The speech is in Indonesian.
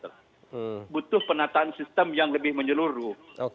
tapi kita juga butuh penataan sistem yang lebih menyeluruh